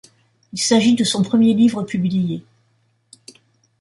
Il s'agit de son premier livre publié.